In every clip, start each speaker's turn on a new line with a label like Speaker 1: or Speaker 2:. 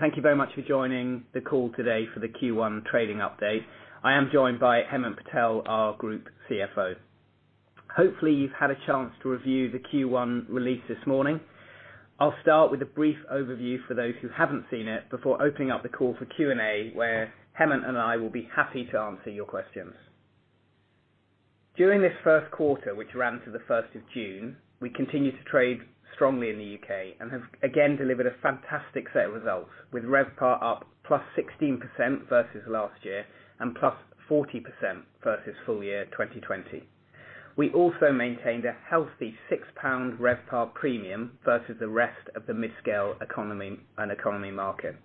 Speaker 1: Thank you very much for joining the call today for the Q1 trading update. I am joined by Hemant Patel, our Group CFO. Hopefully, you've had a chance to review the Q1 release this morning. I'll start with a brief overview for those who haven't seen it, before opening up the call for Q&A, where Hemant and I will be happy to answer your questions. During this Q1, which ran to the first of June, we continued to trade strongly in the U.K. and have again delivered a fantastic set of results, with RevPAR up +16% versus last year and +40% versus full year 2020. We also maintained a healthy GBP 6 RevPAR premium versus the rest of the midscale economy and economy market.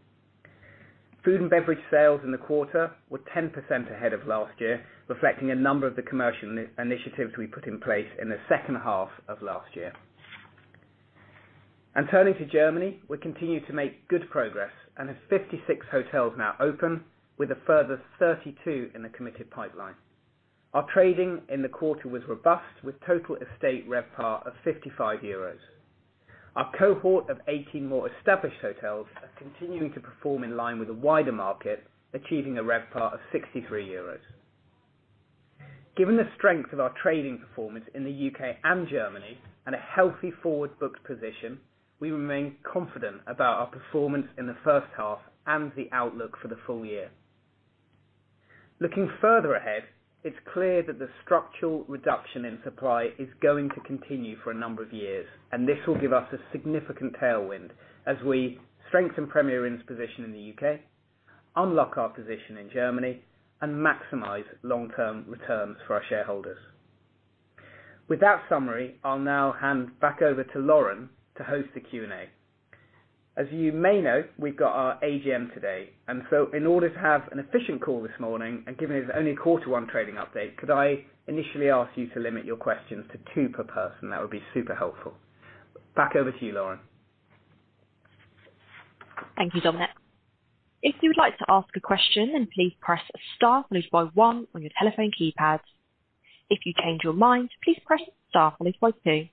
Speaker 1: Food and Beverage sales in the quarter were 10% ahead of last year, reflecting a number of the commercial initiatives we put in place in the H2 of last year. Turning to Germany, we continue to make good progress and have 56 hotels now open, with a further 32 in the committed pipeline. Our trading in the quarter was robust, with total estate RevPAR of 55 euros. Our cohort of 18 more established hotels are continuing to perform in line with the wider market, achieving a RevPAR of 63 euros. Given the strength of our trading performance in the UK and Germany, and a healthy forward booked position, we remain confident about our performance in the H1 and the outlook for the full year. Looking further ahead, it's clear that the structural reduction in supply is going to continue for a number of years, and this will give us a significant tailwind as we strengthen Premier Inn's position in the UK, unlock our position in Germany, and maximize long-term returns for our shareholders. With that summary, I'll now hand back over to Lauren to host the Q&A. As you may know, we've got our AGM today, and so in order to have an efficient call this morning, and given it's only a quarter-one trading update, could I initially ask you to limit your questions to two per person? That would be super helpful. Back over to you, Lauren.
Speaker 2: Thank you, Dominic. If you would like to ask a question, please press star followed by 1 on your telephone keypad. If you change your mind, please press star followed by 2.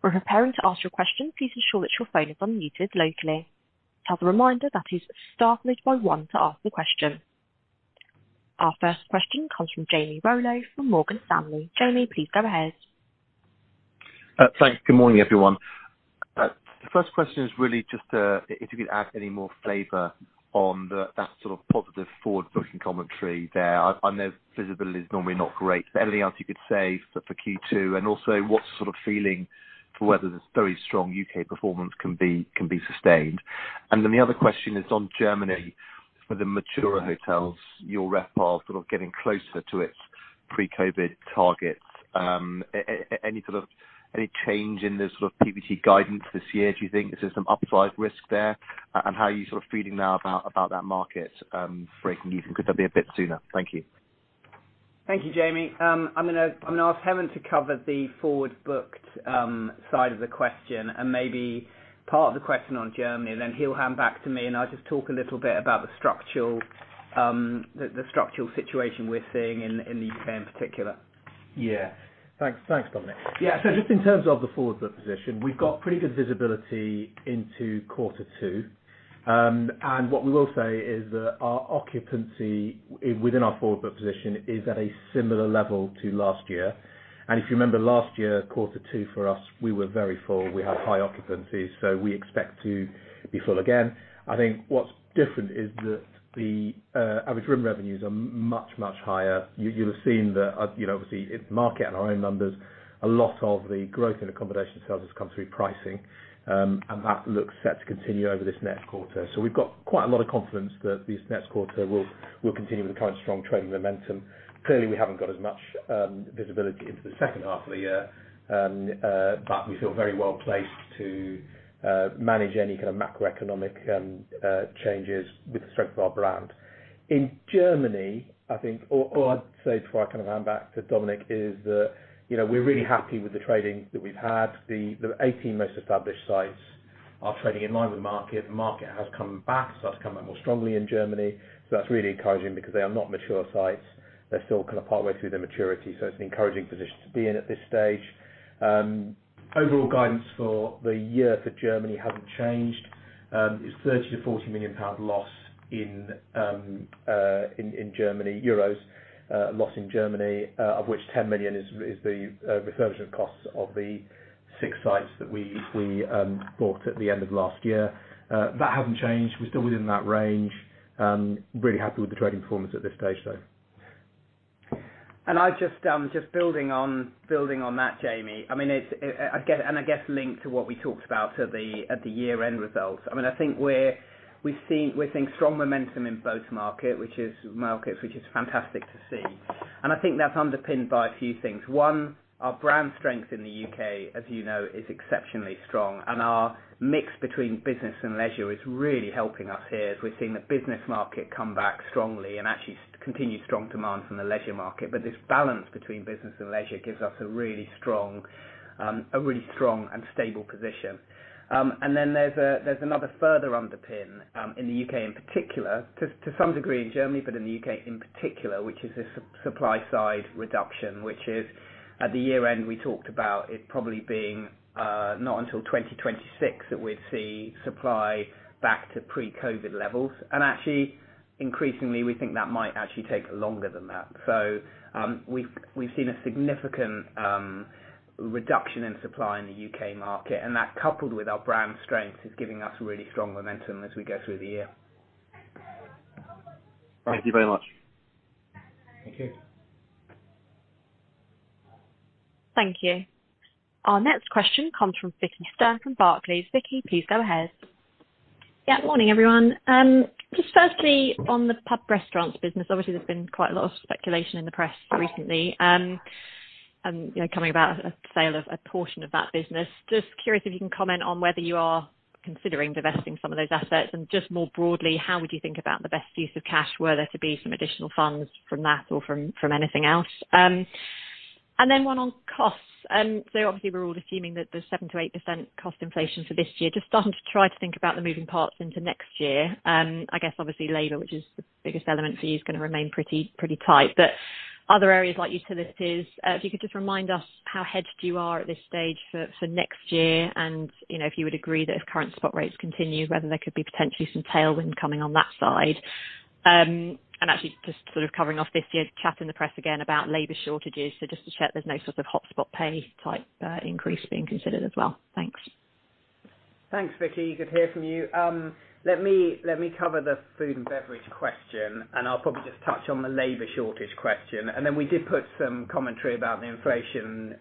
Speaker 2: When preparing to ask your question, please ensure that your phone is unmuted locally. As a reminder, that is star followed by 1 to ask the question. Our first question comes from Jamie Rollo from Morgan Stanley. Jamie, please go ahead.
Speaker 3: Thanks. Good morning, everyone. The first question is really just, if you could add any more flavor on the, that sort of positive forward-looking commentary there. I know visibility is normally not great, but anything else you could say for Q2, and also, what's sort of feeling for whether this very strong U.K. performance can be sustained? The other question is on Germany, for the mature hotels, your RevPAR sort of getting closer to its pre-COVID targets. Any sort of, any change in the sort of PBT guidance this year, do you think? Is there some upside risk there? How are you sort of feeling now about that market, breaking even? Could that be a bit sooner? Thank you.
Speaker 1: Thank you, Jamie. I'm gonna ask Hemant to cover the forward booked side of the question and maybe part of the question on Germany. He'll hand back to me, and I'll just talk a little bit about the structural situation we're seeing in the U.K. in particular.
Speaker 4: Thanks, thanks, Dominic. Just in terms of the forward book position, we've got pretty good visibility into quarter two. What we will say is that our occupancy within our forward book position is at a similar level to last year. If you remember last year, quarter two for us, we were very full. We had high occupancies, so we expect to be full again. I think what's different is that the average room revenues are much higher. You, you'll have seen the, you know, obviously, it's market and our own numbers, a lot of the growth in accommodation sales has come through pricing, that looks set to continue over this next quarter. We've got quite a lot of confidence that this next quarter will continue the current strong trading momentum. Clearly, we haven't got as much visibility into the H2 of the year. We feel very well placed to manage any kind of macroeconomic changes with the strength of our brand. In Germany, I think, or I'd say, before I kind of hand back to Dominic, is that, you know, we're really happy with the trading that we've had. The 18 most established sites are trading in line with the market. The market has come back, started to come back more strongly in Germany, so that's really encouraging because they are not mature sites. They're still kind of partway through their maturity, so it's an encouraging position to be in at this stage. Overall guidance for the year for Germany hasn't changed. It's 30 million-40 million pound loss in Germany... Euros, loss in Germany, of which 10 million is the refurbishment costs of the 6 sites that we bought at the end of last year. That hasn't changed. We're still within that range. Really happy with the trading performance at this stage, so.
Speaker 1: I just building on that, Jamie. I mean, it's, and I guess linked to what we talked about at the year-end results. I mean, I think we're seeing strong momentum in both markets, which is fantastic to see. I think that's underpinned by a few things. One, our brand strength in the U.K., as you know, is exceptionally strong, and our mix between business and leisure is really helping us here, as we've seen the business market come back strongly and actually continue strong demand from the leisure market. This balance between business and leisure gives us a really strong and stable position. Then there's another further underpin in the U.K. in particular, to some degree in Germany, but in the U.K. in particular, which is a supply side reduction, which is, at the year end, we talked about it probably being not until 2026 that we'd see supply back to pre-COVID levels. Actually, increasingly, we think that might actually take longer than that. We've seen a significant reduction in supply in the U.K. market, and that, coupled with our brand strength, is giving us really strong momentum as we go through the year.
Speaker 3: Thank you very much.
Speaker 1: Thank you.
Speaker 2: Thank you. Our next question comes from Vicki Stern at Barclays. Vicki, please go ahead.
Speaker 4: Morning, everyone. Just firstly, on the pub restaurants business, obviously, there's been quite a lot of speculation in the press recently, you know, coming about a sale of a portion of that business. Just curious if you can comment on whether you are considering divesting some of those assets, and just more broadly, how would you think about the best use of cash were there to be some additional funds from that or from anything else? Then one on costs. Obviously, we're all assuming that the 7%-8% cost inflation for this year, just starting to try to think about the moving parts into next year. I guess obviously labor, which is the biggest element for you, is gonna remain pretty tight. Other areas like utilities, if you could just remind us how hedged you are at this stage for next year, and, you know, if you would agree that if current spot rates continue, whether there could be potentially some tailwind coming on that side? And actually just sort of covering off this year's chat in the press again about labor shortages, so just to check there's no sort of hotspot pay type, increase being considered as well? Thanks.
Speaker 1: Thanks, Vicki. Good to hear from you. Let me cover the food and beverage question, and I'll probably just touch on the labor shortage question. We did put some commentary about the inflationary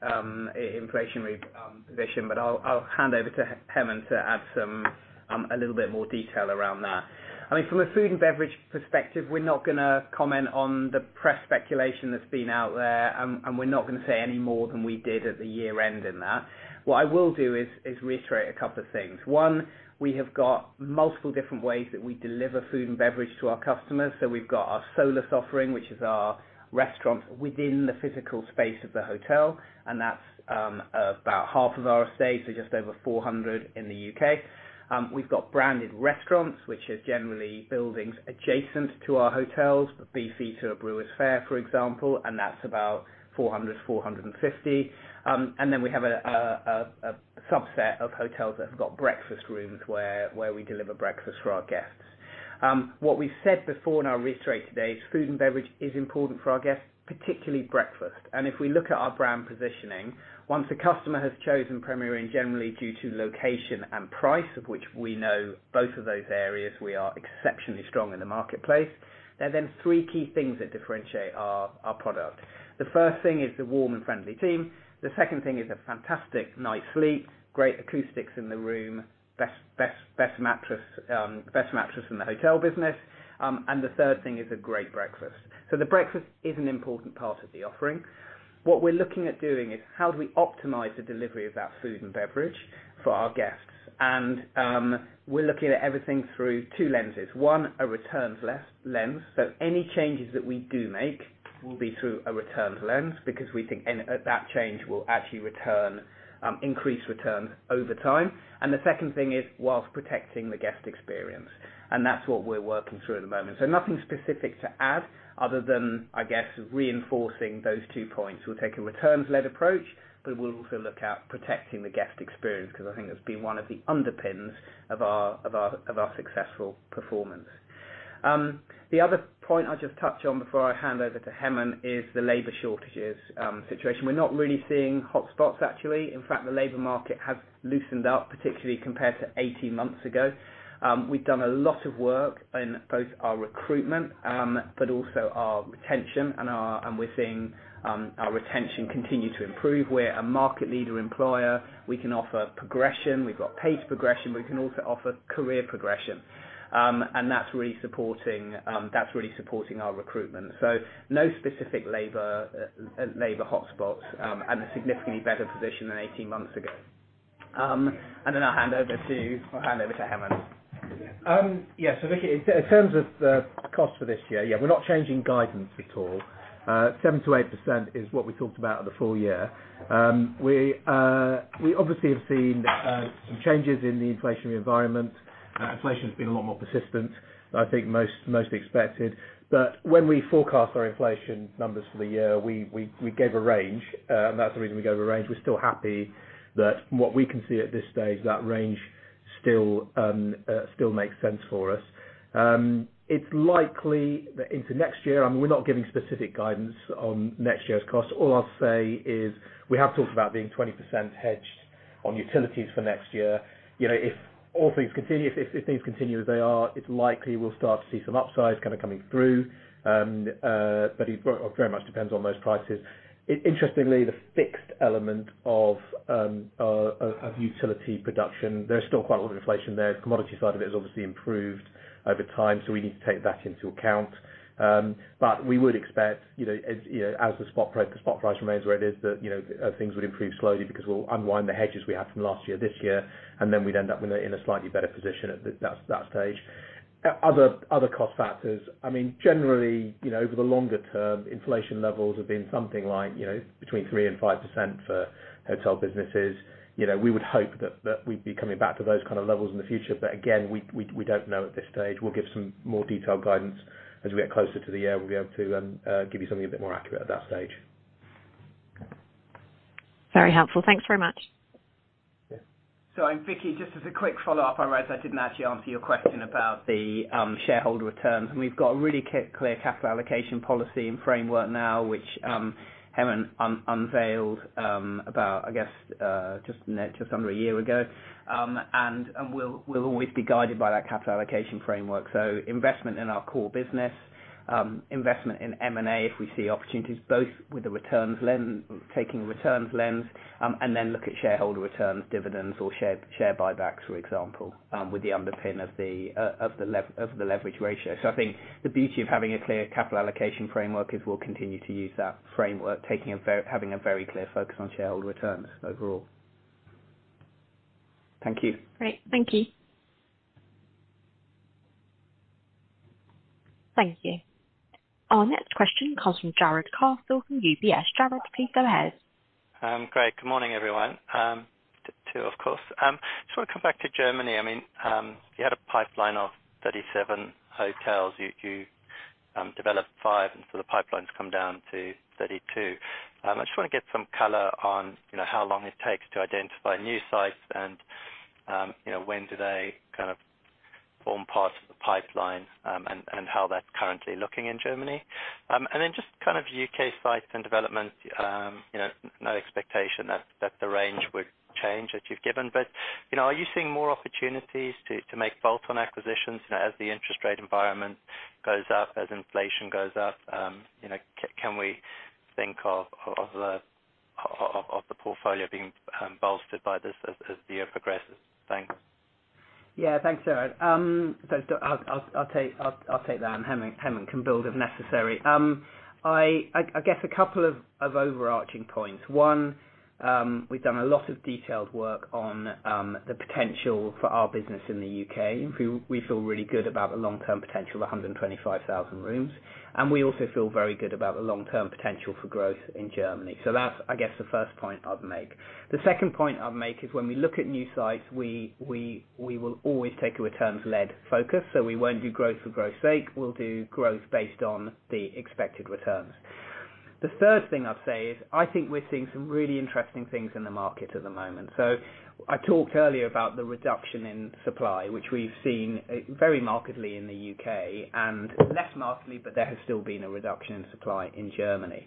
Speaker 1: position, but I'll hand over to Hemant to add a little bit more detail around that. I mean, from a food and beverage perspective, we're not gonna comment on the press speculation that's been out there, and we're not gonna say any more than we did at the year-end in that. What I will do is reiterate a couple of things. One, we have got multiple different ways that we deliver food and beverage to our customers. We've got our Solus offering, which is our restaurant within the physical space of the hotel, and that's about half of our estate, so just over 400 in the UK. We've got branded restaurants, which are generally buildings adjacent to our hotels, Beefeater to Brewers Fayre, for example, and that's about 450. Then we have a subset of hotels that have got breakfast rooms where we deliver breakfast for our guests. What we've said before and I'll reiterate today, is food and beverage is important for our guests, particularly breakfast. If we look at our brand positioning, once a customer has chosen Premier Inn, generally due to location and price, of which we know both of those areas, we are exceptionally strong in the marketplace. There are three key things that differentiate our product. The first thing is the warm and friendly team. The second thing is a fantastic night's sleep, great acoustics in the room, best mattress in the hotel business. The third thing is a great breakfast. The breakfast is an important part of the offering. What we're looking at doing is how do we optimize the delivery of that food and beverage for our guests? We're looking at everything through two lenses. One, a returns lens. Any changes that we do make will be through a returns lens because we think that change will actually return, increase returns over time. The second thing is whilst protecting the guest experience. That's what we're working through at the moment. Nothing specific to add other than, I guess, reinforcing those two points. We'll take a returns-led approach, but we'll also look at protecting the guest experience, because I think that's been one of the underpins of our successful performance. The other point I'll just touch on before I hand over to Hemant, is the labor shortages situation. We're not really seeing hotspots, actually. In fact, the labor market has loosened up, particularly compared to 18 months ago. We've done a lot of work in both our recruitment, but also our retention. We're seeing our retention continue to improve. We're a market leader employer. We can offer progression. We've got paid progression, but we can also offer career progression. That's really supporting, that's really supporting our recruitment. No specific labor hotspots, and a significantly better position than 18 months ago. I'll hand over to you. I'll hand over to Hemant.
Speaker 4: Yes, so Vicki, in terms of the cost for this year, yeah, we're not changing guidance at all. 7%-8% is what we talked about at the full year. We obviously have seen some changes in the inflationary environment. Inflation has been a lot more persistent, I think most expected. When we forecast our inflation numbers for the year, we gave a range, and that's the reason we gave a range. We're still happy that from what we can see at this stage, that range still makes sense for us. It's likely that into next year... I mean, we're not giving specific guidance on next year's cost. All I'll say is we have talked about being 20% hedged on utilities for next year. You know, if all things continue, if things continue as they are, it's likely we'll start to see some upside kinda coming through. It very, very much depends on those prices. Interestingly, the fixed element of utility production, there's still quite a lot of inflation there. Commodity side of it has obviously improved over time, so we need to take that into account. We would expect, you know, as the spot price remains where it is, that things would improve slowly because we'll unwind the hedges we had from last year, this year, and then we'd end up in a slightly better position at that stage. Other cost factors, I mean, generally, you know, over the longer term, inflation levels have been something like, you know, between 3% and 5% for hotel businesses. You know, we would hope that we'd be coming back to those kind of levels in the future, but again, we don't know at this stage. We'll give some more detailed guidance. As we get closer to the year, we'll be able to give you something a bit more accurate at that stage.
Speaker 5: Very helpful. Thanks very much.
Speaker 1: Vicki, just as a quick follow-up, I realize I didn't actually answer your question about the shareholder returns, and we've got a really clear capital allocation policy and framework now, which Hemant Patel unveiled about, I guess, just under a year ago. We'll always be guided by that capital allocation framework. Investment in our core business, investment in M&A, if we see opportunities, both with the returns lens, taking a returns lens, and then look at shareholder returns, dividends or share buybacks, for example, with the underpin of the leverage ratio. I think the beauty of having a clear capital allocation framework is we'll continue to use that framework, having a very clear focus on shareholder returns overall. Thank you.
Speaker 5: Great. Thank you.
Speaker 2: Thank you. Our next question comes from Jarrod Castle from UBS. Jarrod, please go ahead.
Speaker 6: Great. Good morning, everyone, to you too, of course. Just wanna come back to Germany, I mean, you had a pipeline of 37 hotels. You developed 5. The pipeline's come down to 32. I just wanna get some color on, you know, how long it takes to identify new sites and, you know, when do they kind of form part of the pipeline? How that's currently looking in Germany? Just kind of UK sites and development, you know, no expectation that the range would change as you've given, but, you know, are you seeing more opportunities to make bolt-on acquisitions, you know, as the interest rate environment goes up, as inflation goes up, you know, can we think of the portfolio being bolstered by this as the year progresses? Thanks.
Speaker 1: Thanks, Jarrod. I'll take that, and Hemant can build if necessary. I guess a couple of overarching points. One, we've done a lot of detailed work on the potential for our business in the UK. We feel really good about the long-term potential of 125,000 rooms, and we also feel very good about the long-term potential for growth in Germany. That's, I guess, the first point I'd make. The second point I'd make is when we look at new sites, we will always take a returns-led focus, so we won't do growth for growth's sake. We'll do growth based on the expected returns. The third thing I'd say is, I think we're seeing some really interesting things in the market at the moment. I talked earlier about the reduction in supply, which we've seen very markedly in the UK, and less markedly, but there has still been a reduction in supply in Germany.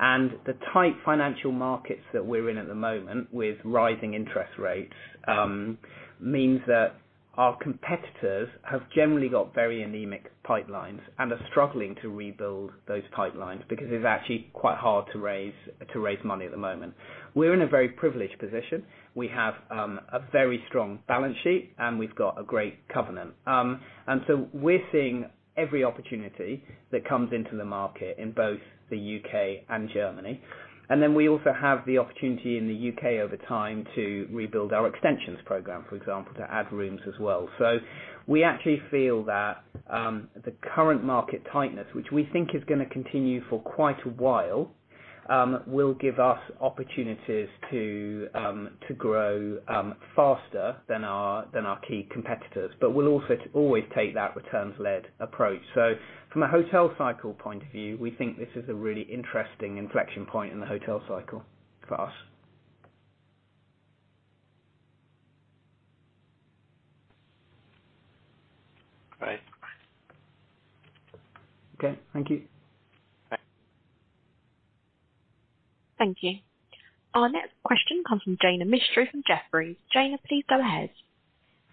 Speaker 1: The tight financial markets that we're in at the moment, with rising interest rates, means that our competitors have generally got very anemic pipelines and are struggling to rebuild those pipelines because it's actually quite hard to raise money at the moment. We're in a very privileged position. We have a very strong balance sheet, and we've got a great covenant. We're seeing every opportunity that comes into the market in both the UK and Germany. We also have the opportunity in the UK over time to rebuild our extensions program, for example, to add rooms as well. We actually feel that the current market tightness, which we think is gonna continue for quite a while, will give us opportunities to grow faster than our key competitors. We'll also always take that returns-led approach. From a hotel cycle point of view, we think this is a really interesting inflection point in the hotel cycle for us.
Speaker 4: Great.
Speaker 6: Okay, thank you.
Speaker 2: Thank you. Our next question comes from Jaina Mistry, from Jefferies. Jaina, please go ahead.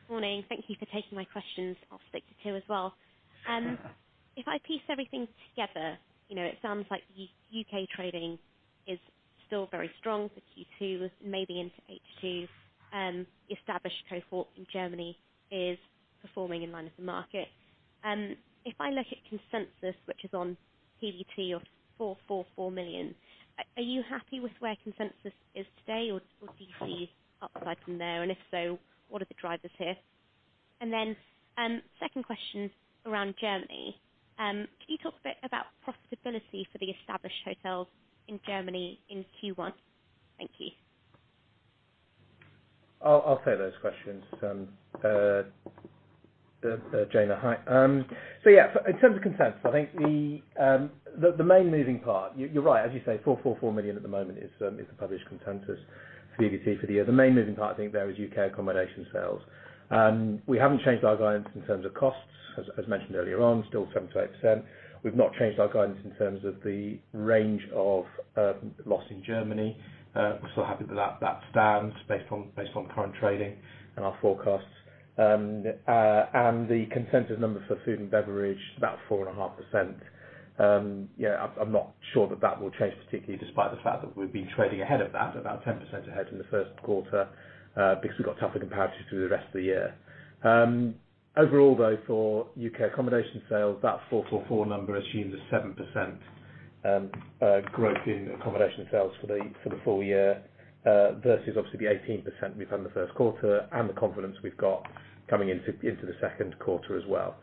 Speaker 7: Morning. Thank you for taking my questions. I'll speak to you as well. If I piece everything together, you know, it sounds like U.K. trading is still very strong for Q2, maybe into H2. Established cohort in Germany is performing in line with the market. If I look at consensus, which is on PBT of 444 million, are you happy with where consensus is today, or do you see upside from there? If so, what are the drivers here? Second question around Germany, can you talk a bit about profitability for the established hotels in Germany in Q1? Thank you.
Speaker 4: I'll take those questions. Jaina, hi. Yeah, so in terms of consensus, I think the main moving part, you're right, as you say, 4 million at the moment is the published consensus for EBT for the year. The main moving part I think there is U.K. accommodation sales. We haven't changed our guidance in terms of costs, as mentioned earlier on, still 7%-8%. We've not changed our guidance in terms of the range of loss in Germany. We're still happy with that. That stands based on current trading and our forecasts. And the consensus numbers for food and beverage, about 4.5%. Yeah, I'm not sure that that will change, particularly despite the fact that we've been trading ahead of that, about 10% ahead in the Q1, because we've got tougher comparatives through the rest of the year. Overall, though, for UK accommodation sales, that 444 number assumes a 7% growth in accommodation sales for the full year, versus obviously the 18% we've done in the Q1, and the confidence we've got coming into the Q2 as well.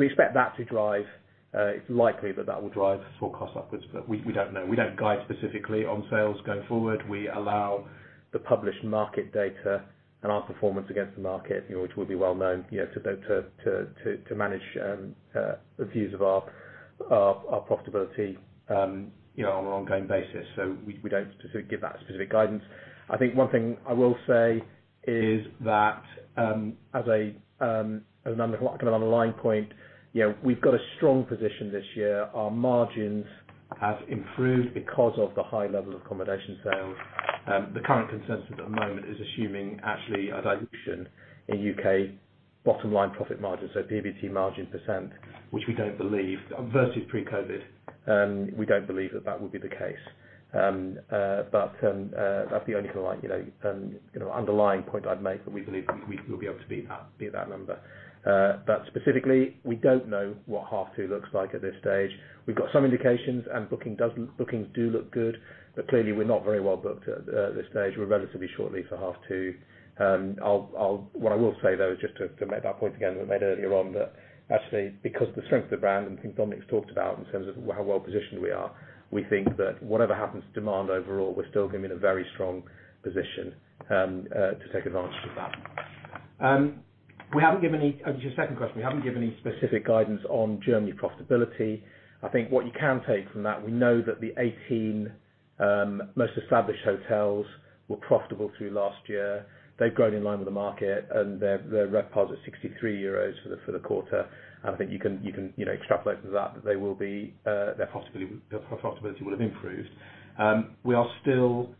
Speaker 4: We expect that to drive, it's likely that that will drive support costs upwards, but we don't know. We don't guide specifically on sales going forward, we allow. the published market data and our performance against the market, you know, which will be well known, you know, to manage views of our profitability, you know, on an ongoing basis. We don't specifically give that specific guidance. I think one thing I will say is that, as an underlying point, you know, we've got a strong position this year. Our margins have improved because of the high level of accommodation sales. The current consensus at the moment is assuming actually a dilution in UK bottom line profit margins, so PBT margin %, which we don't believe, versus pre-COVID, we don't believe that that would be the case. That's the only kind of like, you know, you know, underlying point I'd make, that we believe we will be able to beat that number. Specifically, we don't know what half 2 looks like at this stage. We've got some indications, and bookings do look good, but clearly we're not very well booked at this stage. We're relatively shortly for half 2. What I will say, though, just to make that point again, that I made earlier on, that actually, because the strength of the brand and things Dominic's talked about in terms of how well positioned we are, we think that whatever happens to demand overall, we're still going to be in a very strong position to take advantage of that. We haven't given any, just your second question, we haven't given any specific guidance on Germany profitability. I think what you can take from that, we know that the 18 most established hotels were profitable through last year. They've grown in line with the market, and their RevPAR is at 63 euros for the quarter. I think you can, you know, extrapolate from that they will be, their profitability will have improved. We are still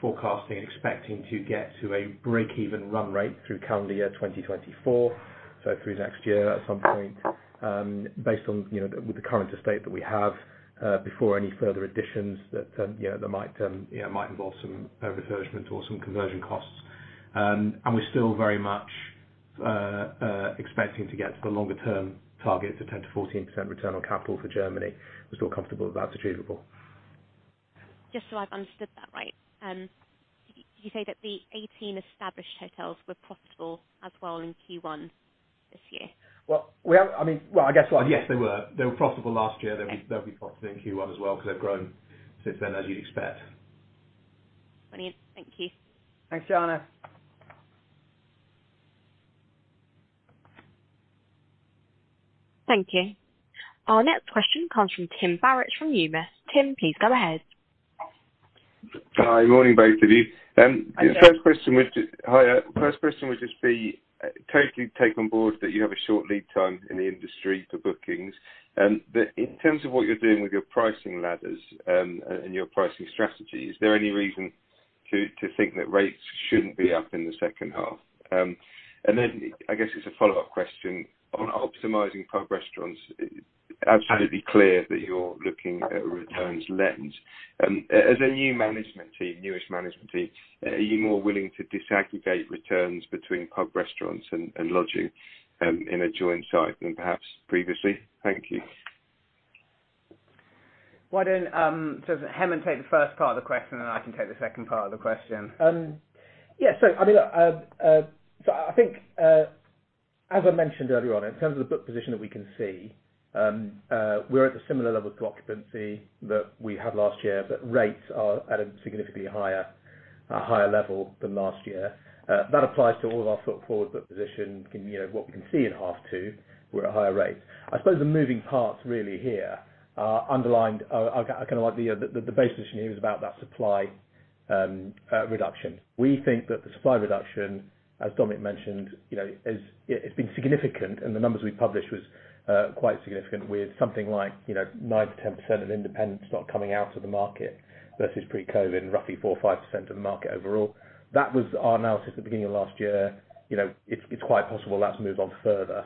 Speaker 4: forecasting and expecting to get to a break-even run rate through calendar year 2024, so through next year at some point, based on, you know, with the current estate that we have, before any further additions that, you know, that might involve some resurfacing or some conversion costs. We're still very much expecting to get to the longer term target of 10%-14% return on capital for Germany. We're still comfortable that's achievable.
Speaker 7: Just so I've understood that right, did you say that the 18 established hotels were profitable as well in Q1 this year?
Speaker 4: Well, we haven't, I mean, well, I guess, well, yes, they were. They were profitable last year.
Speaker 7: Okay.
Speaker 4: They'll be profitable in Q1 as well, because they've grown since then, as you'd expect.
Speaker 7: Thank you.
Speaker 4: Thanks, Jaina.
Speaker 2: Thank you. Our next question comes from Tim Barrett, from Numis. Tim, please go ahead.
Speaker 8: Hi, good morning, both of you.
Speaker 1: Hi, Tim.
Speaker 8: The first question would just be, totally take on board that you have a short lead time in the industry for bookings, but in terms of what you're doing with your pricing ladders, and your pricing strategy, is there any reason to think that rates shouldn't be up in the H2? I guess as a follow-up question, on optimizing pub restaurants, it's absolutely clear that you're looking at a returns lens. As a new management team, newest management team, are you more willing to disaggregate returns between pub restaurants and lodging, in a joint site than perhaps previously? Thank you.
Speaker 1: Why don't so Hemant take the first part of the question, and I can take the second part of the question.
Speaker 4: I mean, I think, as I mentioned earlier on, in terms of the book position that we can see, we're at a similar level to occupancy that we had last year, but rates are at a significantly higher level than last year. That applies to all of our foot forward, but position, you know, what we can see in H2, we're at a higher rate. I suppose the moving parts really here, are underlined, I kind of like the base position here is about that supply reduction. We think that the supply reduction, as Dominic mentioned, you know, it's been significant, and the numbers we published was quite significant, with something like, you know, 9%-10% of independents not coming out to the market, versus pre-COVID, roughly 4%-5% of the market overall. That was our analysis at the beginning of last year. You know, it's quite possible that's moved on further.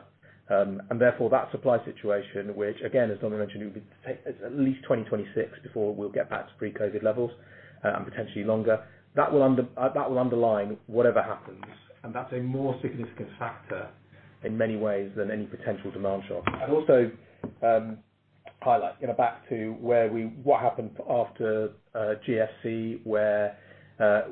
Speaker 4: Therefore, that supply situation, which again, as Dominic mentioned, it would be at least 2026 before we'll get back to pre-COVID levels, and potentially longer. That will underline whatever happens, and that's a more significant factor in many ways than any potential demand shock. Also, highlight, you know, back to what happened after GFC, where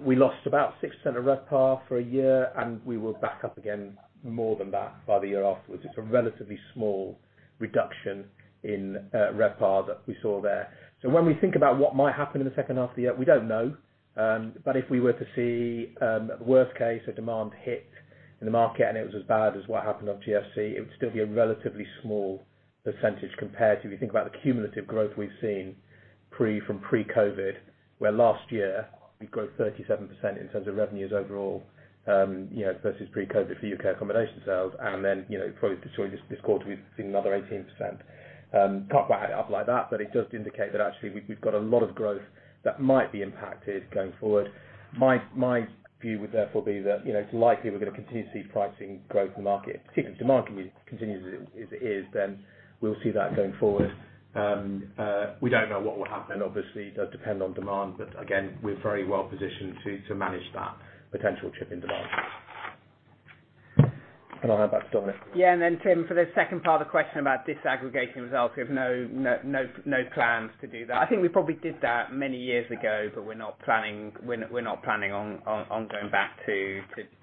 Speaker 4: we lost about 6% of RevPAR for a year. We were back up again more than that by the year afterwards. It's a relatively small reduction in RevPAR that we saw there. When we think about what might happen in the H2 of the year, we don't know. If we were to see, worst case, a demand hit in the market, and it was as bad as what happened on GFC, it would still be a relatively small percentage compared to, if you think about the cumulative growth we've seen pre, from pre-COVID, where last year we grew 37% in terms of revenues overall, you know, versus pre-COVID for U.K. accommodation sales. You know, probably during this quarter, we've seen another 18%. Can't quite add it up like that, but it does indicate that actually we've got a lot of growth that might be impacted going forward. My view would therefore be that, you know, it's likely we're going to continue to see pricing growth in the market, particularly if demand continues as it is, then we'll see that going forward. We don't know what will happen, obviously, it does depend on demand, but again, we're very well positioned to manage that potential trip in demand. I'll hand back to Dominic.
Speaker 1: Yeah, Tim, for the second part of the question about disaggregating results, we have no plans to do that. I think we probably did that many years ago, but we're not planning on going back to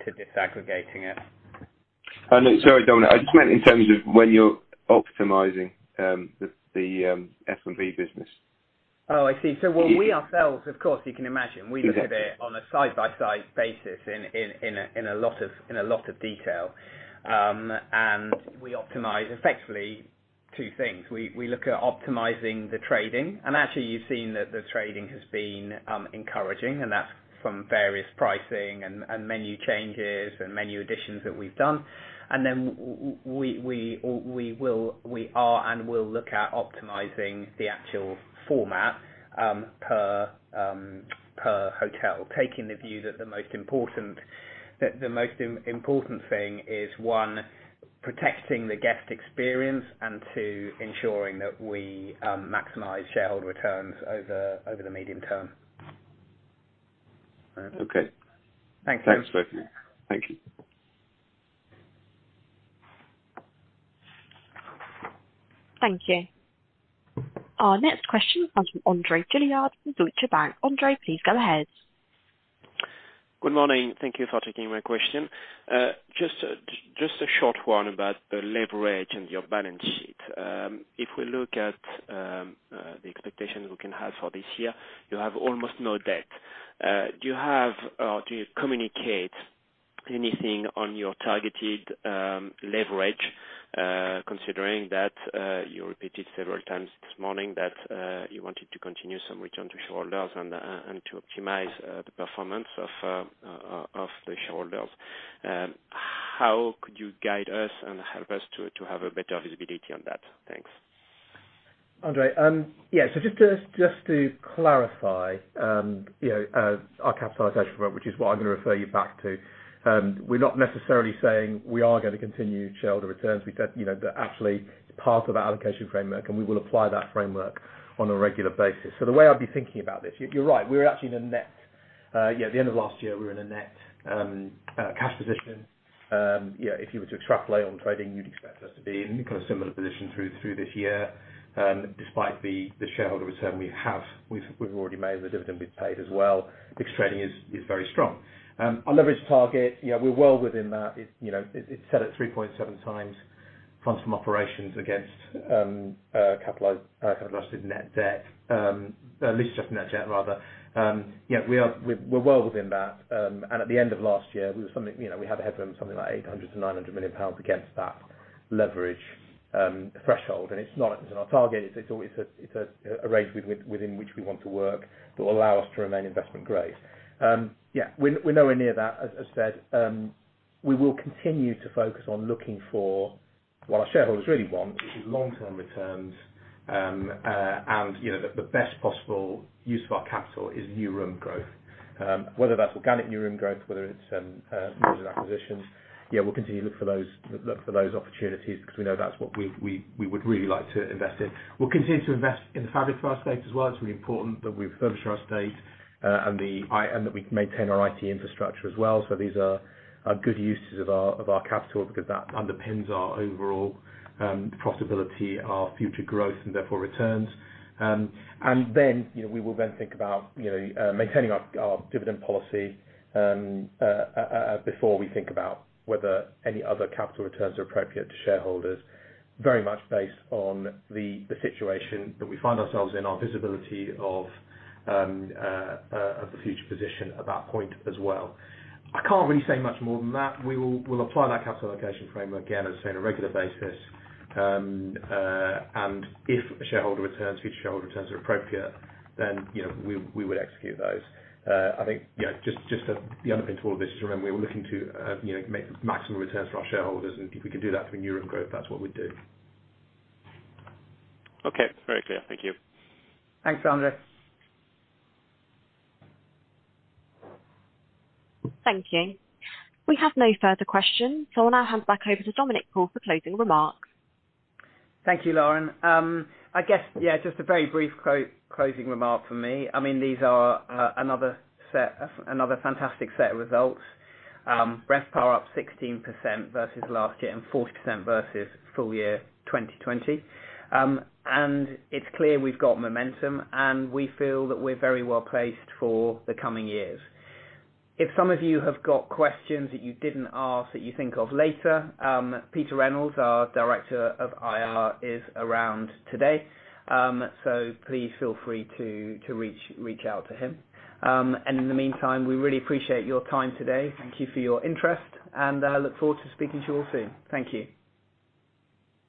Speaker 1: disaggregating it.
Speaker 8: No, sorry, Dominic, I just meant in terms of when you're optimizing the F&B business.
Speaker 1: I see. Well, we ourselves, of course, you can imagine.
Speaker 8: [Crosstalks]
Speaker 4: We look at it on a side-by-side basis in a lot of detail. we optimize effectively two things. We look at optimizing the trading, and actually, you've seen that the trading has been encouraging, and that's from various pricing and menu changes and menu additions that we've done. Then we are and will look at optimizing the actual format per hotel. Taking the view that the most important thing is, one, protecting the guest experience, and two, ensuring that we maximize shareholder returns over the medium term.
Speaker 8: Okay.
Speaker 1: Thanks.
Speaker 8: Thanks, both.
Speaker 1: Thank you.
Speaker 2: Thank you. Our next question comes from André Juillard with Deutsche Bank. André, please go ahead.
Speaker 9: Good morning. Thank you for taking my question. Just a short one about the leverage and your balance sheet. If we look at the expectations we can have for this year, you have almost no debt. Do you have, or do you communicate anything on your targeted leverage, considering that you repeated several times this morning that you wanted to continue some return to shareholders and to optimize the performance of the shareholders? How could you guide us and help us to to have a better visibility on that? Thanks.
Speaker 4: André, just to clarify, you know, our capitalization framework, which is what I'm going to refer you back to, we're not necessarily saying we are going to continue shareholder returns. We said, you know, that actually is part of our allocation framework, and we will apply that framework on a regular basis. The way I'd be thinking about this, you're right, at the end of last year, we were in a net cash position. If you were to extrapolate on trading, you'd expect us to be in a kind of similar position through this year, despite the shareholder return we've already made the dividend we've paid as well, because trading is very strong. Our leverage target, you know, we're well within that. It's, you know, it's set at 3.7x funds from operations against capitalized net debt, at least just net debt, rather. Yeah, we're well within that, and at the end of last year, we were something, you know, we had a headroom, something like 800 million-900 million pounds against that leverage threshold. It's not our target. It's always a, it's a range within which we want to work that will allow us to remain investment grade. Yeah, we're nowhere near that, as said. You know, the best possible use of our capital is new room growth. Whether that's organic new room growth, whether it's acquisitions, yeah, we'll continue to look for those opportunities because we know that's what we would really like to invest in. We'll continue to invest in the fabric of our estate as well. It's really important that we refurbish our estate and that we maintain our IT infrastructure as well. These are good uses of our capital, because that underpins our overall profitability, our future growth, and therefore returns. You know, we will then think about, you know, maintaining our dividend policy. Before we think about whether any other capital returns are appropriate to shareholders, very much based on the situation that we find ourselves in, our visibility of the future position at that point as well. I can't really say much more than that. We'll apply that capital allocation framework again, as I say, on a regular basis. If shareholder returns, future shareholder returns are appropriate, then, you know, we would execute those. I think, yeah, just the underpin to all of this is, remember, we're looking to, you know, make maximum returns for our shareholders, and if we can do that through new room growth, that's what we'd do.
Speaker 9: Okay, very clear. Thank you.
Speaker 1: Thanks, André.
Speaker 2: Thank you. We have no further questions. I'll now hand back over to Dominic Paul for closing remarks.
Speaker 1: Thank you, Lauren. I guess, yeah, just a very brief closing remark from me. I mean, these are another set, another fantastic set of results. RevPAR up 16% versus last year and 40% versus full year 2020. It's clear we've got momentum, and we feel that we're very well placed for the coming years. If some of you have got questions that you didn't ask, that you think of later, Peter Reynolds, our Director of IR, is around today. So please feel free to reach out to him. In the meantime, we really appreciate your time today. Thank you for your interest. Look forward to speaking to you all soon. Thank you.